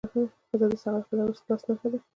ښځه د صداقت او اخلاص نښه ده.